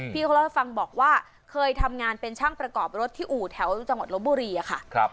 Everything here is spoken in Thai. พี่เขาเล่าให้ฟังบอกว่าเคยทำงานเป็นช่างประกอบรถที่อู่แถวจังหวัดลบบุรีค่ะ